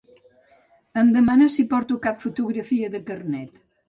Em demana si porto cap fotografia de carnet.